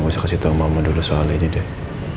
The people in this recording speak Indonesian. gue mau kasih tau mama dulu soal ini deh